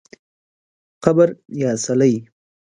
قبر یا څلی